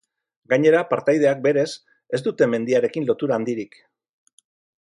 Gainera, partaideak, berez, ez dute mendiarekin lotura handirik.